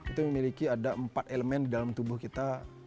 itu memiliki ada empat elemen di dalam tubuh kita